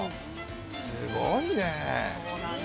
すごいね。